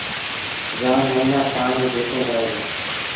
جآم موهيݩآ پآڻيٚ بيٚٺل هوئي دو۔